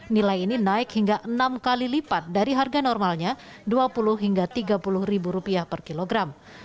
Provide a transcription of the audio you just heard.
nilai ini naik hingga enam kali lipat dari harga normalnya rp dua puluh rp tiga puluh per kilogram